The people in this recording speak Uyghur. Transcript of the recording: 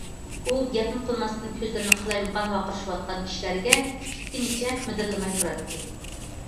ئۇ گەپمۇ قىلماستىن، كۆزلىرىنى قالايمىقان ۋارقىرىشىۋاتقان كىشىلەرگە تىككىنىچە مىدىرلىماي تۇراتتى.